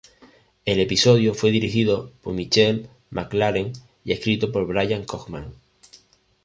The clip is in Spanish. El episodio fue dirigido por Michelle MacLaren y escrito por Bryan Cogman.